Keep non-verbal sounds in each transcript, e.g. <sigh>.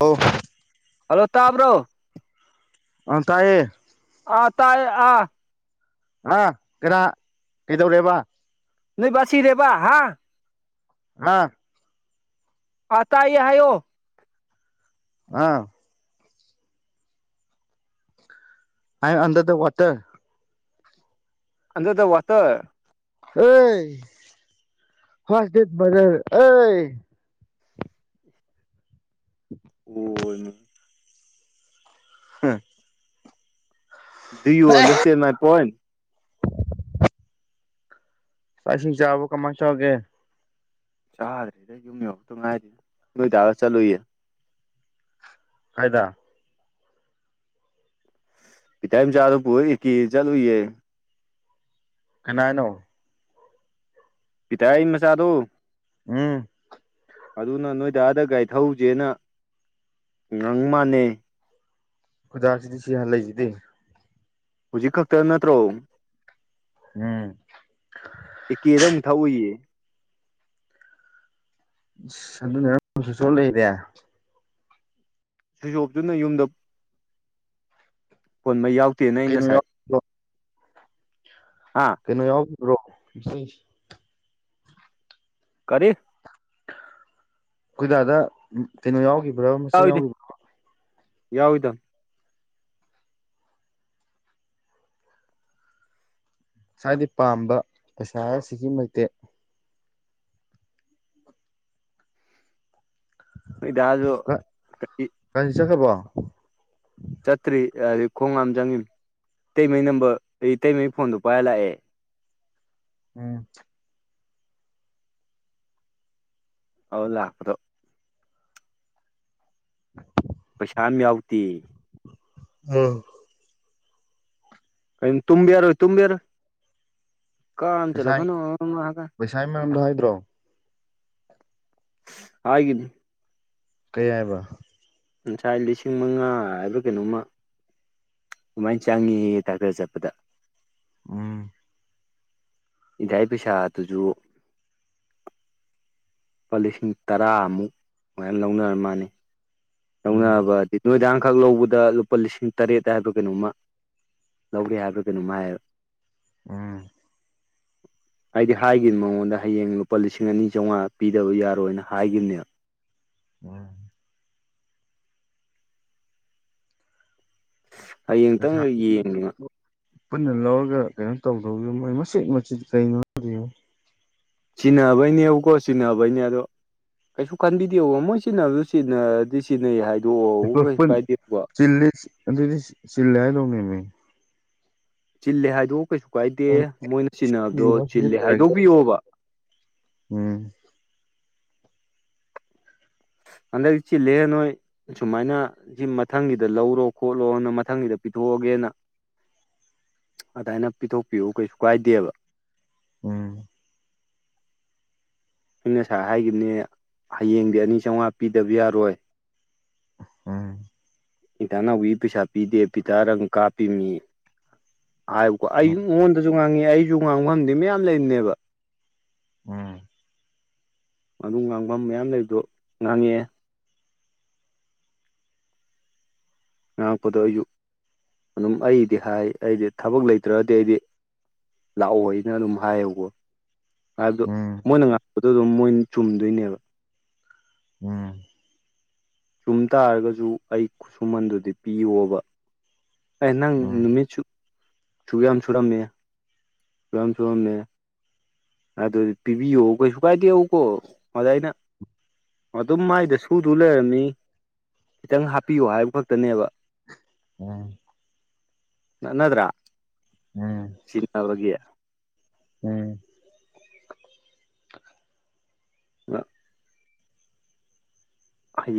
Of. Hello ꯇꯥꯕ꯭ꯔꯣ꯫ ꯑ ꯇꯥꯏꯌꯦ꯫ ꯑꯥ ꯇꯥꯏꯌꯦ ꯑꯥ ꯀꯗꯥꯥ ꯀꯩꯗꯧꯔꯦꯕ ꯅꯣꯏꯕꯁꯤꯔꯦꯕ ꯍꯥ ꯑ ꯑꯇꯥꯏ ꯍꯥꯏꯌꯣ ꯑꯥ ꯑꯥꯏ ꯑꯟꯗꯔ ꯗ ꯋꯥꯇꯔ ꯑꯟꯗꯗ ꯋꯥꯠꯇ ꯑꯩ ꯍꯁꯦꯠꯖꯔ ꯑꯩ ꯑꯣ ꯍꯥꯝ ꯗꯤ ꯌꯨꯟ ꯗꯁꯇ ꯃꯥꯏ ꯄꯣꯏꯟ ꯏꯥꯛ ꯏꯁꯤꯡ ꯆꯥꯕ ꯀꯃꯥꯏꯅ ꯇꯧꯒꯦ ꯆꯥꯗ꯭ꯔꯦꯗ ꯌꯨꯝ ꯌꯎꯛꯇ ꯉꯥꯏꯔꯤꯦꯅ ꯅꯣꯏ ꯇꯔꯒ ꯆꯠꯂꯨꯏꯌꯦ ꯐꯥꯏꯗ ꯏ ꯇꯝ ꯆꯥꯔꯨꯕꯨ ꯑꯣꯏ ꯀ ꯆꯠꯨꯌꯦ ꯅꯥꯥꯏꯅꯣ ꯄꯤꯇ ꯃꯆꯥꯥꯗꯨ ꯎꯝ ꯑꯗꯨꯅ ꯅꯣꯏꯗꯗ ꯒꯥꯥꯏ ꯊꯧꯁꯦꯅ ꯉꯪ ꯃꯥꯥꯟꯅ ꯈꯨꯗꯥꯛꯁꯤꯗꯤ ꯁꯤꯍꯥꯟ ꯂꯩꯁꯤꯗꯤ ꯍꯧꯖꯤꯛ ꯈꯛꯇ ꯅꯠꯇ꯭ꯔꯣ ꯎꯝ ꯑꯦꯀꯦꯗ ꯑꯃꯨꯛ ꯊꯛꯎꯏꯌꯦ ꯑꯗꯨꯅꯦ ꯁ ꯂꯩꯔꯦ ꯁꯨꯖꯣꯞꯇꯨꯅ ꯌꯨꯝꯗ ꯐꯣꯟꯕ ꯌꯥꯎꯗꯦꯅ ꯑꯩ ꯀꯩꯅꯣ ꯉꯁꯥꯏ ꯌꯥꯎꯕ꯭ꯔꯣ ꯍꯥꯥ ꯀꯩꯅꯣ ꯌꯥꯎꯈꯤꯕ꯭ꯔꯣ ꯏꯁꯩ ꯀꯔꯤꯦ ꯀꯣꯏꯗꯥꯗ ꯀꯩꯅꯣ ꯌꯥꯎꯈꯤꯕ꯭ꯔꯥ ꯃꯆꯥ ꯌꯥꯎꯈꯤꯕ꯭ꯔꯥ ꯌꯥꯎꯗ ꯏꯁꯗꯤ ꯄꯥꯝꯕ ꯄꯩꯁꯥ ꯑꯁꯤꯒꯤ ꯃꯇꯛꯇꯤ ꯏꯣ ꯀ ꯀ ꯆ ꯍꯣ ꯆꯠꯇ꯭ꯔꯤ ꯑꯗꯨꯩ ꯈꯣꯡ ꯍꯥꯝ ꯆꯪꯉ ꯏꯇꯩꯃꯩ ꯅꯝꯕꯔ ꯑꯩ ꯏꯇꯩꯉꯩ ꯐꯣꯟꯗꯣ ꯄꯥꯏꯔ ꯂꯥꯛꯑꯦ ꯎꯝ ꯍꯧꯧꯗ ꯍꯥꯥꯛꯗꯣ ꯄꯩꯁꯥ ꯑꯃ ꯌꯥꯎꯗꯦ ꯎꯝ ꯀꯩꯅ ꯇꯨꯝꯝꯕ ꯌꯥꯔꯣꯏ ꯇꯨꯝꯝꯕꯦꯔꯣ ꯀꯝ ꯄꯩꯁꯥ ꯆꯂꯒꯅꯣ ꯍꯥꯒ ꯄꯩꯁꯥꯒꯤ ꯃꯔꯝꯗꯣ ꯍꯥꯏꯗ꯭ꯔꯣ ꯍꯥꯏꯅꯤ ꯀꯌꯥꯏꯕ ꯉꯟꯁꯥꯏ ꯂꯤꯁꯤꯡ ꯃꯉꯥ ꯍꯥꯏꯕ ꯀꯩꯅꯣꯝꯃ ꯑꯗꯨꯃꯥꯏꯅ ꯆꯪꯉꯤ ꯇꯥꯛꯇꯔ ꯆꯠꯄꯗ ꯑꯥ ꯏꯗꯥꯏ ꯄꯩꯁꯥ ꯑꯗꯨꯁꯨ ꯂꯨꯄꯥ ꯂꯤꯁꯤꯡ ꯇꯔꯥꯃꯨꯛ ꯃꯌꯥꯝ ꯂꯧꯅꯔꯝ ꯃꯥꯜꯅꯤ ꯎꯝ ꯇꯧꯅꯕꯗꯤ ꯅꯨꯣꯏꯗꯥꯡꯈꯛ ꯂꯧꯕꯗ ꯂꯨꯄꯥ ꯂꯤꯁꯤꯡ ꯇꯔꯦꯠ ꯍꯥꯏꯕ ꯀꯩꯅꯣꯝꯃ ꯂꯧꯒꯦ ꯍꯥꯏꯕ ꯀꯩꯅꯣꯝꯃ ꯍꯥꯏꯌꯦ ꯎꯝ <inaudible> ꯍꯥꯏꯗꯤ ꯍꯥꯏꯈꯤꯕ ꯃꯉꯣꯟꯗ ꯍꯌꯦꯡ ꯂꯨꯄꯥ ꯂꯤꯁꯤꯡ ꯑꯅꯤ ꯆꯥꯝꯃꯉꯥ ꯄꯤꯗꯕ ꯌꯥꯔꯣꯏꯅ ꯍꯥꯏꯈꯤꯕꯅꯦꯕ ꯎꯝ ꯍꯌꯦꯡꯇꯪ ꯄꯩꯁꯥ ꯌꯦꯡꯉꯅ ꯄꯨꯟꯅ ꯂꯧꯔꯒ ꯀꯩꯅꯣ ꯇꯧꯗꯧꯔꯤꯕ ꯃꯣꯏ ꯃꯆꯦꯠ ꯃꯆꯤꯠ ꯀꯩꯅꯣꯅꯣ ꯁꯤꯅꯕꯅꯦꯕꯀꯣ ꯁꯤꯅꯍꯕ ꯍꯥꯏꯅꯤ ꯑꯗꯣ ꯀꯩꯁꯨ ꯈꯟꯕꯤꯗꯦꯕ ꯃꯣꯏ ꯁꯤꯖꯤꯟꯅꯕ ꯁꯤꯖꯤꯟꯅꯔꯗꯤ ꯁꯤꯖꯤꯟꯅꯩ ꯍꯥꯏꯗꯣꯛꯑꯣ ꯀꯩꯁꯨ ꯀꯥꯏꯗꯦꯕ ꯆꯤꯅꯤ ꯑꯗꯨ ꯑꯗꯨꯗꯤ ꯁꯤꯜꯂ ꯂꯧꯧꯅꯤꯃꯤ ꯆꯤꯜꯂꯦ ꯍꯥꯏꯗꯣꯛꯑꯣ ꯀꯩꯁꯨ ꯀꯥꯏꯗꯦ ꯃꯣꯏꯅ ꯆꯤꯟꯅꯕꯗꯣ ꯆꯤꯜꯂꯦ ꯁꯤꯖꯤꯟꯅꯔꯒꯦ ꯍꯥꯏꯗꯣꯛꯄꯤꯌꯣꯕ ꯎꯝ ꯍꯥꯟꯗ ꯀ ꯆꯤ ꯂ ꯂꯩꯍꯦꯟ ꯅꯣꯣꯏ ꯁꯨꯃꯥꯏꯅ ꯁꯤ ꯃꯊꯪꯒꯤꯗ ꯂꯧꯔꯣ ꯈꯣꯠꯂꯣꯅ ꯃꯊꯪꯒꯤꯗ ꯄꯤꯊꯣꯛꯑꯒꯦꯅ ꯑꯗꯨꯃꯥꯏꯅ ꯄꯤꯊꯣꯛꯄꯤꯌꯎ ꯀꯩꯁꯨ ꯀꯥꯏꯗꯦꯕ ꯎꯝ ꯑ ꯉꯁꯥꯏ ꯍꯥꯏꯈꯤꯕꯅꯦ ꯍꯌꯦꯡꯗꯤ ꯑꯅꯤ ꯆꯥꯝꯃꯉꯥ ꯄꯤꯗꯕ ꯌꯥꯔꯣꯏ ꯎꯝ ꯏꯟꯇ ꯅꯎꯒꯤ ꯄꯩꯁꯥ ꯄꯤꯗꯦ ꯄꯤꯇꯥꯔꯪ ꯀꯥꯞꯄꯤꯃꯤ ꯀ ꯑꯩ ꯎꯝ ꯃꯉꯣꯟꯗꯁꯨ ꯉꯥꯡꯉꯤ ꯑꯩꯁꯨ ꯉꯥꯡꯐꯝꯗꯤ ꯃꯌꯥꯝ ꯂꯩꯔꯤꯅꯦꯕ ꯎꯝ ꯑꯗꯨ ꯉꯥꯡꯐꯝ ꯃꯌꯥꯝ ꯂꯩꯕꯗꯣ ꯉꯥꯡꯉꯛꯑꯦ ꯉꯥꯡꯉꯄꯗꯣ ꯑꯩꯁꯨ ꯑꯗꯨꯝ ꯑꯩꯗꯤ ꯍꯥꯏ ꯑꯩꯗꯤ ꯊꯕꯛ ꯂꯩꯇ꯭ꯔꯗꯤ ꯑꯩꯗꯤ ꯂꯥꯛꯑꯣ ꯍꯥꯏꯩꯅ ꯑꯗꯨꯝ ꯍꯥꯏꯌꯦꯕꯀꯣ ꯍꯥꯏꯕꯗꯣ ꯎꯝ ꯎꯝ ꯃꯣꯏꯅ ꯉꯥꯛꯄꯗꯣ ꯑꯗꯨꯝ ꯃꯣꯏ ꯆꯨꯝꯗꯣꯏꯅꯦꯕ ꯎꯝ ꯆꯨꯝ ꯇꯥꯔꯒꯁꯨ ꯑꯩ ꯈꯨꯠꯁꯨꯃꯟꯗꯨꯗꯤ ꯄꯤꯌꯣꯕ ꯑꯅꯪ ꯅꯨꯃꯤ ꯆ ꯁꯨꯒ ꯌꯥꯝ ꯁꯨꯔꯝꯃꯦ ꯁꯨ ꯌꯥꯝ ꯁꯨꯔꯝꯃꯦ ꯑꯗꯨꯗꯤ ꯄꯤꯕꯤꯌꯣ ꯀꯩꯁꯨ ꯀꯥꯏꯗꯦꯎꯀꯣ ꯃꯗꯥꯅ ꯑꯗꯨꯝ ꯃꯥꯏꯗ ꯁꯨꯗꯨ ꯂꯩꯔꯝꯃꯤ ꯈꯤꯇꯪ ꯍꯥꯞꯄꯤꯌꯣ ꯍꯥꯏꯕ ꯈꯛꯇꯅꯦꯕ ꯑꯣ ꯅꯠꯅꯗ꯭ꯔꯥ ꯎꯝ ꯁꯤꯖꯤꯟꯅꯕꯒꯤ ꯎꯝ ꯑ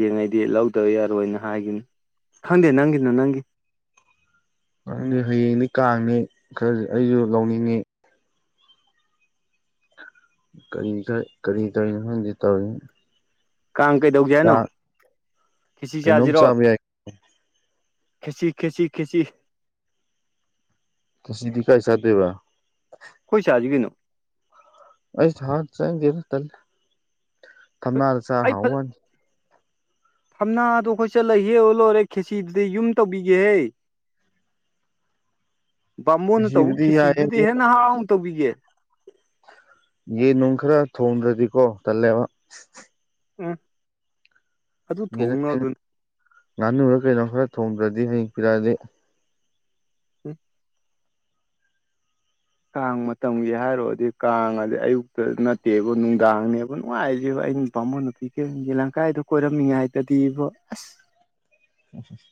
ꯌꯦꯡꯉꯩꯗꯤ ꯂꯧꯗꯕ ꯌꯥꯔꯣꯏꯅ ꯍꯥꯏꯈꯤꯅꯤ ꯈꯪꯗꯦ ꯅꯪꯒꯤꯅ ꯅꯪꯒꯤ ꯪ ꯍꯌꯦꯡꯅꯤ ꯀꯥꯡꯅꯤ ꯈꯔ ꯑꯩꯁꯨ ꯂꯧꯅꯤꯡꯉꯤ ꯀꯔꯤ ꯀ ꯀꯔꯤ ꯀꯔꯤꯅꯣ ꯈꯪꯗꯦ ꯇꯧꯔꯤ ꯀꯥꯡ ꯀꯩꯗꯧꯒꯦ ꯍꯥꯏꯅꯣ ꯀꯤꯁꯤ ꯀꯩꯅꯣꯝ ꯆꯥꯁꯤꯔꯣ ꯆꯥꯕ ꯌꯥꯏ ꯈꯦꯁꯤ ꯈꯦꯁꯤ ꯈꯦꯁꯤ ꯇ ꯁꯤꯗꯤ ꯀꯥꯏ ꯁꯥꯗꯦꯕ ꯀꯣꯏꯁꯥꯖꯤ ꯀꯩꯅꯣ ꯑꯩꯁ ꯍꯥꯟ ꯆꯪꯒꯦ ꯊꯝꯅꯥꯗ ꯆꯥꯔ ꯑꯩ ꯍꯥꯎꯕꯅꯤ ꯊꯝꯅꯥꯗꯣ ꯑꯩꯈꯣꯏ ꯆꯠꯂꯍꯦ ꯑꯣ ꯂꯣꯏꯔꯦ ꯈꯦꯁꯤꯗꯨꯗꯤ ꯌꯨꯝ ꯇꯧꯕꯤꯒꯦꯍꯩ ꯕꯥꯃꯣꯅ ꯇꯧꯕ ꯉꯁꯤꯕꯨꯗꯤ ꯈꯤꯁꯤꯗꯨꯗꯤ ꯌꯥꯏꯌꯦ ꯍꯦꯟꯅ ꯍꯥꯎꯅ ꯇꯧꯕꯤꯒꯦ ꯌꯦꯟ ꯅꯨꯡ ꯈꯔ ꯊꯣꯡꯗ꯭ꯔꯗꯤꯀꯣ ꯇꯜꯂꯦꯕ ꯎꯝ ꯑꯗꯨ ꯌꯦ ꯅꯠꯇꯦ ꯊꯣꯡꯅꯕꯗꯨꯅꯤ ꯉꯥꯅꯨꯨꯔꯒ ꯀꯩꯅꯣ ꯈꯔ ꯊꯣꯡꯗ꯭ꯔꯗꯤ ꯍꯌꯦꯡ ꯄꯤꯔꯛꯑꯗꯤ ꯎꯝ ꯀꯥꯡ ꯃꯇꯝꯒꯤ ꯍꯥꯏꯔꯨꯔꯗꯤ ꯀꯥꯡ ꯑꯗꯤ ꯑꯌꯨꯛꯇ ꯅꯠꯇꯦꯕ ꯅꯨꯡꯗꯥꯡꯅꯦꯕ ꯅꯨꯡꯉꯥꯏꯔꯤꯁꯦꯕ ꯑꯩꯅ ꯄꯥꯥꯝꯃꯣ ꯅꯨꯄꯤꯒ ꯌꯦꯂꯪꯀꯥꯏꯗꯨꯣ ꯀꯣꯏꯔꯝꯃꯤꯉꯥꯏꯗꯗꯤ ꯏꯕꯣ ꯑꯁ ꯑꯣꯐꯁ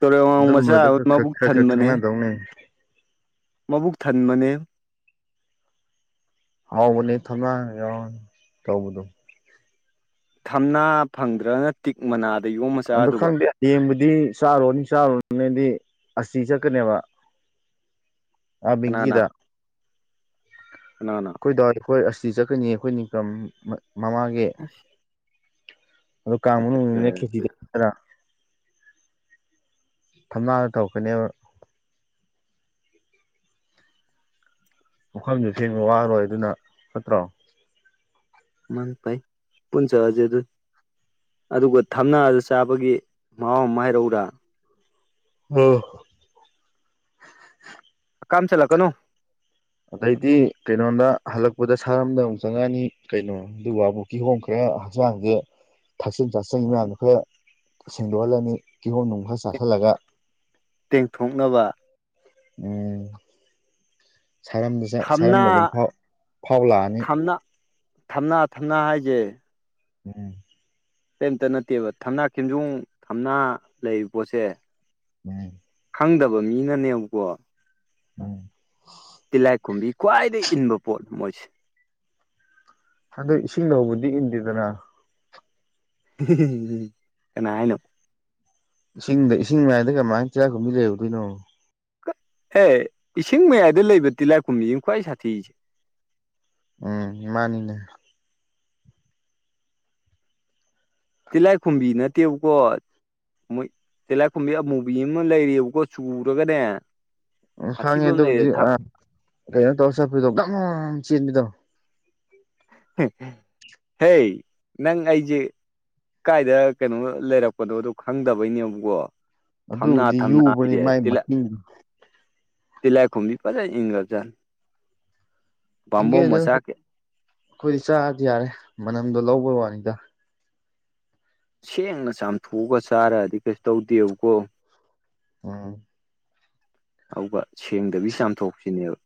ꯇꯣꯔꯦꯜꯉꯥꯡ ꯃꯆꯥ ꯑꯗꯨꯝꯕꯗꯣ ꯑꯃ ꯈꯔ ꯈꯔ ꯃꯕꯨꯛ ꯈꯔ ꯈꯔ ꯊꯟꯕꯅꯦ ꯈꯪꯅꯗꯧꯅꯦ ꯃꯕꯨꯛ ꯊꯟꯕꯅꯦ ꯍꯥꯎꯕꯅꯤ ꯊꯝꯅꯥ ꯌꯥ ꯇꯧꯕꯗꯣ ꯊꯝꯅꯥ ꯐꯪꯗ꯭ꯔꯅ ꯇꯤꯛ ꯃꯅꯥꯗ ꯌꯣꯝ ꯑꯗꯣ ꯃꯆꯥꯗꯨꯕ ꯈꯪꯗꯦ ꯌꯦꯡꯕꯨꯗꯤ ꯆꯥꯔꯨꯔꯅꯤ ꯆꯥꯔꯨꯔꯅꯦꯗꯤ ꯑꯁꯤ ꯆꯠꯀꯅꯦꯕ ꯑ ꯀꯅꯥꯅ ꯃꯤꯒꯤꯗ <inaudible> ꯑꯩꯈꯣꯏ ꯋꯥꯏ ꯑꯩꯈꯣꯏ ꯑꯁꯤꯁꯤ ꯆꯠꯀꯅꯤ ꯑꯩꯈꯣꯏ ꯅꯤꯡꯀꯝ ꯃꯃꯥꯒꯤ ꯑꯗꯨꯗ ꯀ ꯀꯥꯡ ꯈꯦ ꯑꯗ ꯊꯝꯅꯥꯗ ꯇꯧꯔꯛꯀꯅꯦꯕ ꯋꯥꯈꯐꯝꯁꯨ ꯊꯦꯡꯕ ꯋꯥꯔꯣꯏ ꯑꯗꯨꯅ ꯐꯠꯇ꯭ꯔꯣ ꯃꯥꯡ ꯄꯥꯏ ꯄꯨꯟ ꯆ ꯍꯖ ꯑꯗꯨ ꯑꯗꯨꯒ ꯊꯝꯅꯑꯒ ꯆꯥꯕꯒꯤ ꯃꯍꯥꯎ ꯑꯃ ꯍꯥꯏꯔꯧꯔ ꯎꯝ ꯀꯝ ꯆꯂ ꯀꯅꯣ ꯑꯗꯩꯗꯤ ꯀꯩꯅꯣꯗ ꯍꯜꯂꯛꯄꯗ ꯁꯥꯔꯝꯗ ꯑꯃꯨꯛ ꯆꯪꯉꯛꯅꯤ ꯀꯩꯅꯣ ꯑꯗꯨꯒꯕꯨꯛ ꯀꯤꯍꯣꯝ ꯈꯔ ꯍꯛꯆꯥꯡꯁꯦ ꯊꯛꯆꯦꯜ ꯆꯥꯁꯟꯒꯤ ꯃꯌꯥꯝꯗ ꯈꯔ ꯁꯦꯡꯗꯣꯛꯍꯜꯂꯅꯤ ꯀꯤꯍꯣꯝ ꯅꯨꯡ ꯈꯔ ꯆꯥꯁꯤꯜꯂꯒ ꯇꯦꯡꯊꯣꯛꯅꯕ ꯎꯝ ꯊꯝꯅꯥ ꯁꯔꯝꯗ ꯑꯗꯨꯝ ꯐꯥꯎ ꯂꯥꯛꯑꯅꯤ ꯊꯝꯅ ꯊꯝꯅ ꯍꯥꯏꯁꯦ ꯎꯝ ꯀꯔꯤꯝꯇ ꯅꯠꯇꯦꯕ ꯊꯝꯅꯥ ꯈꯦꯟꯖꯨꯡ ꯊꯝꯅꯥ ꯂꯩꯔꯤꯕ ꯄꯣꯠꯁꯦ <unintelligible> ꯈꯪꯗꯕ ꯃꯤꯅꯅꯦꯕꯀꯣ꯫ ꯎꯝ꯫ ꯇꯤꯜꯍꯥꯏꯈꯨꯝꯕꯤ ꯈ꯭ꯋꯥꯏꯗꯒꯤ ꯏꯟꯕ ꯄꯣꯠꯅꯤ ꯃꯣꯏꯁꯦ꯫ ꯑꯗꯣ ꯏꯁꯤꯡꯗ ꯍꯧꯕꯗꯤ ꯏꯟꯗꯦꯗꯅ꯫ ꯀꯅꯥ ꯍꯥꯏꯅꯣ꯫ ꯏꯁꯤꯡꯗ ꯏꯁꯤꯡ ꯃꯥꯏꯏꯗ ꯀꯃꯥꯏꯅ ꯇꯤꯟꯂꯥꯏ ꯈꯨꯝꯕꯤ ꯂꯩꯔꯨꯗꯣꯏꯅꯣ꯫ ꯍꯦ ꯏꯁꯤꯡ ꯃꯌꯥꯏꯗ ꯂꯩꯕ ꯇꯤꯜꯍꯥꯏꯈꯨꯝꯕꯤꯁꯤꯅꯤ ꯈ꯭ꯋꯥꯏ ꯁꯥꯊꯤꯁꯦ꯫ ꯎꯝ ꯃꯥꯅꯤꯅꯦ꯫ ꯇꯤꯜꯂꯥꯏ ꯈꯨꯝꯕꯤ ꯅꯇꯦꯕꯀꯣ꯫ ꯃꯣꯏ ꯇꯦꯂꯥꯏꯈꯨꯝꯕꯤ ꯑꯃꯨꯕꯤ ꯑꯃ ꯂꯩꯔꯤꯑꯕꯀꯣ ꯆꯨꯔꯒꯅꯦ꯫ ꯎ ꯈꯪꯉꯦ ꯁꯥꯊꯤꯕ ꯑꯃ ꯂꯩꯔꯦ ꯑꯗꯨꯕꯨꯗꯤ ꯑꯥ ꯀꯩꯅꯣ ꯇꯧꯔ ꯆꯠꯄꯤꯗꯣ ꯒꯝ ꯒꯝ ꯆꯦꯟꯕꯤꯗꯣ꯫ ꯍꯦ ꯅꯪ ꯑꯩꯖꯦ ꯀꯥꯏꯗ ꯀꯩꯅꯣ ꯂꯩꯔꯛꯄꯅꯣꯗꯣ ꯈꯪꯗꯕꯩꯅꯦꯕꯀꯣ꯫ ꯊꯝꯅꯥ ꯑꯗꯨꯕꯨꯗꯤ ꯊꯝꯅꯥ ꯌꯨꯕꯅꯤ ꯍꯥꯏꯁꯤ ꯃꯥꯏ ꯃꯀꯤꯡꯗꯣ ꯇꯤꯜ ꯂꯥꯏꯈꯨꯝꯕꯤ ꯐꯖꯅ ꯏꯟꯒꯔꯖꯥꯠꯅꯤ꯫ ꯏꯡꯒꯦ ꯏꯟꯖꯅꯨ ꯑꯩꯈꯣꯏꯗꯤ ꯆꯥꯔꯗꯤ ꯌꯥꯔꯦ ꯃꯅꯝꯗꯣ ꯂꯧꯕꯩ ꯋꯥꯅꯤꯗ꯫ ꯁꯦꯡꯅ ꯆꯥꯝꯊꯣꯛꯑꯒ ꯆꯥꯔꯗꯤ ꯀꯩꯁꯨ ꯇꯧꯗꯦꯕꯀꯣ꯫ ꯑ꯫ ꯑꯗꯨꯒ ꯁꯦꯡꯗꯕꯤ ꯆꯥꯝꯊꯣꯛꯄꯁꯤꯅꯦꯕ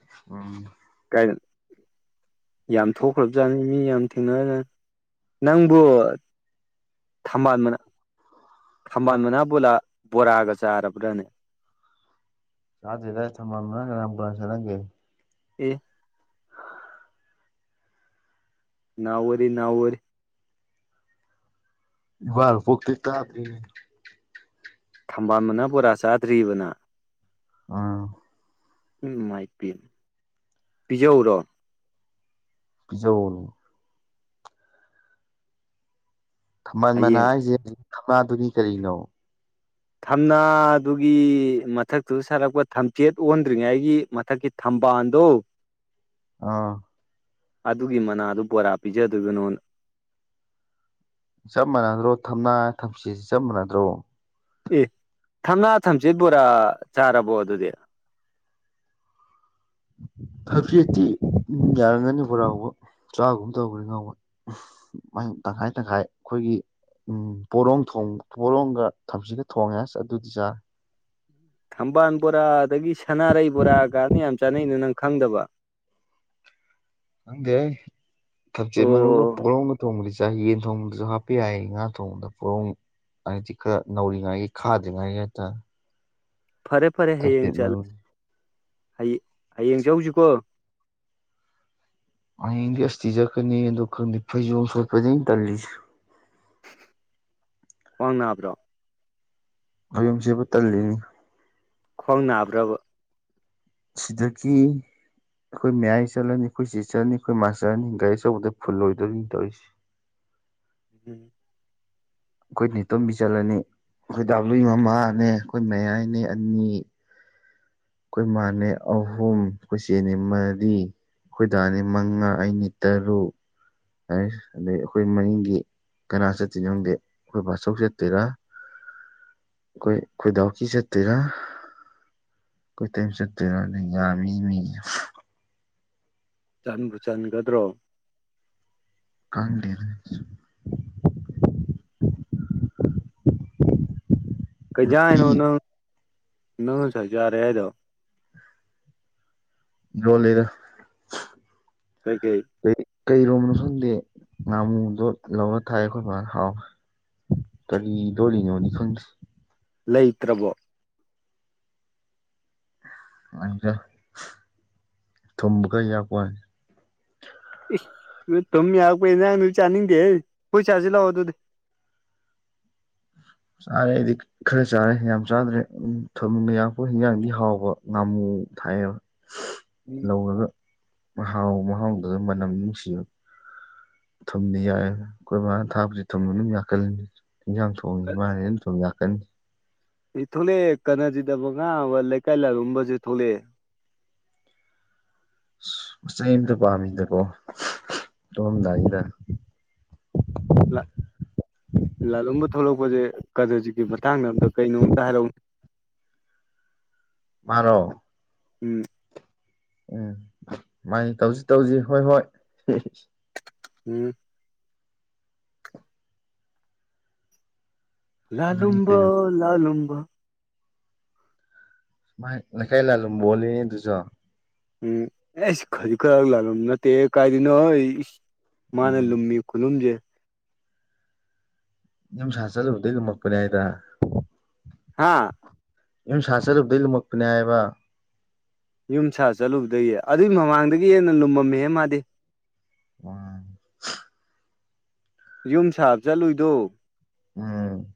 ꯑꯣ꯫ ꯀꯥꯏꯗ꯫ ꯌꯥꯝ ꯊꯣꯛꯈ꯭ꯔꯕꯖꯥꯠꯅꯤ ꯃꯤ ꯌꯥꯝ ꯊꯦꯡꯅꯔ ꯖꯠꯅꯤ ꯅꯪꯕꯨ ꯊꯝꯕꯥꯜ ꯃꯅꯥ ꯊꯝꯕꯥꯜ ꯃꯅꯥ ꯕꯣꯂ ꯕꯣꯔꯥꯒ ꯆꯥꯔꯕ꯭ꯔꯅꯦ꯫ ꯆꯗꯔꯤꯗ ꯊꯝꯕꯥꯜ ꯃꯥꯅ ꯕꯣꯔ ꯀꯅꯥꯟ ꯆꯥꯅꯒꯦ꯫ ꯑꯦ꯫ ꯅꯥꯎ ꯑꯣꯏꯔꯤ ꯅꯥꯎ ꯑꯣꯏꯔꯤ꯫ ꯏꯃꯥꯅ ꯄꯣꯛꯇꯩ ꯇꯥꯗꯔꯤꯌꯦ꯫ ꯊꯝꯕꯥꯜ ꯃꯅꯥ ꯕꯣꯔꯥ ꯆꯥꯗ꯭ꯔꯤꯌꯦꯕ ꯅꯪ꯫ ꯑꯥ꯫ ꯎꯝ ꯃꯥꯏ ꯄꯦꯝ ꯄꯤꯖꯧꯔꯣ꯫ ꯄꯤꯖꯧꯑꯣ꯫ ꯊꯝꯕꯥꯜ ꯃꯅꯥ ꯍꯌꯦꯡ ꯍꯥꯏꯁꯦ ꯊꯝꯅꯥꯗꯨꯅꯤ ꯀꯔꯤꯅꯣ꯫ ꯊꯝꯅꯥꯗꯨꯒꯤ ꯃꯊꯛꯇꯨ ꯁꯥꯔꯛꯄ ꯊꯝꯆꯦꯠ ꯑꯣꯟꯗ꯭ꯔꯤꯉꯩꯒꯤ ꯃꯊꯛꯀꯤ ꯊꯝꯕꯥꯜꯗꯣ꯫ ꯑꯥ꯫ ꯑꯗꯨꯒꯤ ꯃꯅꯥꯗꯨ ꯕꯣꯔꯥ ꯄꯤꯖꯗꯣꯏꯕ ꯅꯥꯉꯣꯟꯗ꯫ ꯆꯞ ꯃꯥꯟꯅꯗ꯭ꯔꯣ ꯊꯝꯅꯥ ꯊꯝꯆꯦꯠ ꯁꯤ ꯆꯞ ꯃꯥꯟꯅꯗ꯭ꯔꯣ꯫ ꯑꯦ ꯊꯝꯅꯥ ꯊꯝꯆꯦꯠ ꯕꯣꯔꯥ ꯆꯥꯔꯕꯣ ꯑꯗꯨꯗꯤ꯫ ꯊꯝꯆꯦꯠꯇꯤ ꯌꯥꯔꯝꯒꯅꯤ ꯕꯣꯔꯥ ꯍꯧꯕ ꯆꯥꯒꯨꯝ ꯇꯧꯕꯈꯅꯤ ꯉꯥꯍꯟꯋꯥꯏ꯫ ꯇꯪꯈꯥꯏ ꯇꯪꯈꯥꯏ ꯑꯩꯈꯣꯏꯒꯤ꯫ ꯎꯝ ꯄꯣꯔꯣꯡ ꯊꯣꯡ ꯄꯣꯔꯣꯝꯒ ꯊꯝꯆꯦꯠ ꯊꯣꯡꯉꯦ ꯑꯗꯨꯗꯤ ꯆꯥꯔꯦ꯫ ꯊꯝꯕꯥꯜ ꯕꯣꯔꯥ ꯑꯗꯒꯤ ꯁꯅꯥꯔꯩ ꯕꯣꯔꯥ ꯀꯅ ꯌꯥꯝ ꯆꯥꯅꯩꯩꯅꯣ ꯅꯪ ꯈꯪꯗꯕ꯫ ꯈꯪꯗꯦꯍꯦ ꯊꯛꯆꯦꯠ ꯃꯔꯨꯒ ꯑꯣ ꯄꯨꯔꯣꯝꯒ ꯊꯣꯡꯕꯗꯤ ꯆꯥ ꯆꯥꯒꯦꯝ ꯊꯣꯡꯕꯗꯁꯨ ꯍꯥꯞꯄ ꯌꯥꯏ ꯉꯥ ꯊꯣꯡꯕꯗꯁꯨ ꯄꯣꯔꯣꯡ ꯍꯥꯏꯗꯤ ꯈꯔ ꯅꯧꯔꯤꯉꯩꯒꯤ ꯈꯥꯗ꯭ꯔꯤꯉꯩꯒꯤ ꯍꯥꯏꯇꯥꯔꯦ꯫ ꯐꯔꯦ ꯐꯔꯦ ꯍꯌꯦꯡ ꯊꯝꯆꯦꯠ ꯃꯔꯨ ꯆꯠꯂ ꯍꯌꯦꯡ ꯆꯠꯂꯨꯁꯤꯀꯣ꯫ ꯍꯌꯦꯡꯗꯤ ꯑꯁꯇꯤ ꯆꯠꯀꯅꯤ ꯑꯗꯨ ꯈꯪꯗꯦ ꯐꯩꯖꯣꯝ ꯁꯦꯠꯄꯅꯤ ꯑꯩꯅ ꯇꯜꯂꯤꯁꯦ꯫ ꯈ꯭ꯋꯥꯡ ꯅꯥꯕ꯭ꯔꯣ꯫ ꯐꯩꯖꯣꯝ ꯁꯦꯠꯄ ꯇꯜꯂꯤꯅꯦ꯫ ꯈ꯭ꯋꯥꯡ ꯅꯥꯕ꯭ꯔꯕ꯫ ꯁꯤꯗꯀꯤ꯫ ꯑꯩꯈꯣꯏ ꯃꯌꯥꯏ ꯆꯠꯂꯅꯤ ꯑꯩꯈꯣꯏ ꯆꯦ ꯆꯥꯠꯂꯅꯤ ꯑꯩꯈꯣꯏ ꯃꯥ ꯆꯠꯂꯅꯤ ꯒꯥꯔꯤ ꯑꯆꯧꯕꯗ ꯐꯨꯜ ꯑꯣꯏꯣꯏꯗꯣꯏꯅꯤ ꯇꯧꯔꯤꯁꯤ꯫ ꯎꯝ꯫ ꯑꯩꯈꯣꯏ ꯅꯤꯇꯣꯝꯕꯤ ꯆꯠꯂꯅꯤ ꯑꯩꯈꯣꯏ ꯗꯥꯂꯨꯏ ꯃꯃꯥꯅꯦ ꯑꯩꯈꯣꯏ ꯃꯌꯥꯏꯅꯦ ꯑꯅꯤ꯫ ꯑꯩꯈꯣꯏ ꯃꯥꯅꯦ ꯑꯍꯨꯝ ꯑꯩꯈꯣꯏ ꯆꯦꯅꯦ ꯃꯔꯤ꯫ ꯑꯈꯣꯏ ꯗꯥꯅꯤ ꯃꯉꯥ ꯑꯩꯅꯤ ꯇꯔꯨꯛ꯫ ꯍꯥꯏ ꯑꯗꯩ ꯑꯩꯈꯣꯏ ꯃꯅꯤꯡꯗꯤ ꯀꯅꯥ ꯆꯠꯇꯣꯏꯅꯣ ꯈꯪꯗꯦ ꯑꯩꯈꯣꯏ ꯕꯥꯆꯧ ꯆꯠꯇꯣꯏꯔꯥ꯫ ꯑꯩꯈꯣꯏ ꯈꯣꯏꯗꯥꯎꯀꯤ ꯆꯠꯇꯣꯏꯔꯥ꯫ ꯑꯈꯣꯏ ꯏꯇꯩꯃ ꯆꯠꯇꯣꯏꯔꯥꯅꯦ ꯌꯥꯝꯃꯤ ꯃꯤꯁꯤ꯫ ꯆꯟꯕꯨ ꯆꯟꯒꯗ꯭ꯔꯣ꯫ ꯀꯥꯡꯗꯦꯅꯦ꯫ ꯎꯝ꯫ ꯀꯩ ꯏꯖꯥ ꯅꯨꯄꯤ ꯍꯥꯏꯅꯣ ꯅꯪ ꯅꯪ ꯆꯥꯔꯦ ꯍꯥꯏꯗꯣ꯫ ꯏꯔꯣꯜꯂꯤꯗ꯫ ꯀꯩ ꯀꯩ꯫ ꯀꯩ ꯏꯔꯣꯝꯕꯅꯣ ꯈꯪꯗ ꯉꯥꯃꯨꯗꯣ ꯂꯧꯔ ꯊꯥꯏ ꯑꯩꯈꯣꯏ ꯕꯥꯅ ꯍꯥꯎꯋꯦ꯫ ꯀꯔꯤ ꯏꯔꯣꯜꯂꯤꯅꯣꯗꯤ ꯈꯪꯗꯦ꯫ ꯂꯩꯇ꯭ꯔꯕꯣ꯫ <unintelligible> ꯊꯨꯝ ꯈꯔ ꯌꯥꯛꯄꯒꯤ ꯋꯥꯅꯤ꯫ ꯢꯁ ꯊꯨꯝ ꯌꯥꯛꯄ ꯑꯦꯟꯖꯥꯡꯗꯨꯗꯤ ꯆꯥꯅꯤꯡꯗꯦ ꯍꯦ ꯑꯈꯣꯏ ꯆꯥꯁꯤ ꯂꯥꯛꯑꯣ ꯑꯗꯨꯗꯤ꯫ ꯆꯥꯔꯦ ꯑꯩꯗꯤ꯫ ꯈꯔ ꯆꯥꯔꯦ ꯌꯥꯝ ꯆꯥꯗ꯭ꯔꯦ ꯎꯝ ꯊꯣꯝꯒ ꯌꯥꯛꯄ ꯍꯤꯟꯖꯥꯡꯗꯤ ꯍꯥꯎꯕ ꯉꯥꯃꯨ ꯊꯥꯏꯑꯕ꯫ <unintelligible> ꯂꯧꯔꯒ ꯃꯍꯥꯎ ꯃꯍꯥꯎꯗꯨꯒ ꯃꯅꯝ ꯅꯨꯡꯁꯤꯕ꯫ ꯊꯨꯝꯗꯤ ꯌꯥꯏ ꯑꯩꯈꯣꯏ ꯕꯥꯅ ꯊꯥꯛꯄꯁꯤ ꯊꯨꯝꯕ ꯑꯗꯨꯝ ꯌꯥꯛꯀꯜꯂꯤ꯫ ꯏꯟꯖꯥꯡ ꯊꯣꯡꯕꯁꯤ ꯃꯥꯍꯦ ꯑꯗꯨꯝ ꯊꯣꯝ ꯌꯥꯛꯀꯅꯤ꯫ ꯑꯦ ꯊꯣꯛꯂꯛꯑꯦ ꯀꯅꯖꯤꯠꯑꯕ ꯑꯉꯥꯑꯕ ꯂꯩꯀꯥꯏ ꯂꯥꯂꯨꯝꯕꯁꯦ ꯊꯣꯛꯂꯛꯑꯦ꯫ ꯏꯁ ꯃꯆꯩ ꯑꯃꯇ ꯄꯥꯝꯃꯤꯗꯀꯣ ꯇꯨꯝꯃꯥꯝꯗꯥꯏꯁꯤꯗ꯫ ꯂꯥꯂꯨꯝꯕ ꯊꯣꯛꯂꯛꯄꯁꯦ ꯀꯅꯖꯤꯀꯤ ꯃꯇꯥꯡꯗ ꯑꯝꯇ ꯀꯩꯅꯣ ꯑꯝꯇ ꯍꯥꯏꯔꯛꯎꯅꯦ꯫ ꯃꯥꯔꯣ꯫ ꯎꯝ꯫ ꯎꯝ ꯃꯥꯥꯏ ꯇꯧꯁꯤ ꯇꯧꯁꯤ ꯍꯣꯏ ꯍꯣꯏ꯫ ꯎꯝ꯫ ꯂꯥ ꯑꯗꯨꯅꯤ ꯂꯨꯝꯕ ꯀꯩꯅꯣ ꯂꯥ ꯂꯨꯝꯕ꯫ ꯃꯥ ꯂꯩꯀꯥꯏ ꯂꯂꯨꯝꯕ ꯑꯣꯂꯂꯦꯌꯦ ꯑꯗꯨꯁꯨ꯫ ꯎꯝ ꯑꯦꯁ ꯈꯖꯤꯛ ꯈꯔ ꯂꯥꯜꯂꯨꯝꯕ ꯅꯠꯇꯦꯍꯦ ꯀꯥꯏꯗꯩꯅꯣ꯫ ꯃꯥꯅ ꯎꯝ ꯂꯨꯝꯃꯤꯕ ꯈꯨꯂꯨꯝꯖꯦ꯫ ꯌꯨꯝ ꯁꯥꯥ ꯆꯠꯂꯨꯕꯗꯒꯤ ꯂꯨꯝꯃꯛꯄꯅꯦ ꯍꯥꯏꯗ꯫ ꯍꯥꯥ꯫ ꯌꯨꯝ ꯁꯥꯕ ꯆꯥꯠꯂꯨꯕꯗꯒꯤ ꯂꯨꯝꯃꯛꯄꯅꯦ ꯍꯥꯏꯕ꯫ ꯌꯨꯝ ꯁꯥ ꯆꯠꯂꯨꯕꯗꯒꯤ ꯑꯗꯨꯏ ꯃꯃꯥꯡꯗꯒꯤ ꯍꯦꯟꯅ ꯂꯨꯝꯃꯝꯃꯦꯍꯦ ꯃꯥꯗꯤ꯫ ꯋꯥ꯫ ꯌꯨꯝ ꯁꯥꯕ ꯆꯠꯂꯨꯏꯗꯣ꯫ ꯎꯝ꯫